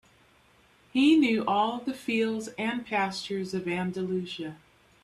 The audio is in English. He knew all the fields and pastures of Andalusia.